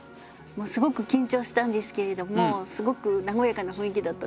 もうすごく緊張したんですけれどもすごく和やかな雰囲気だったので楽しかったです。